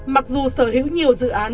mặc dù sở hữu nhiều dự án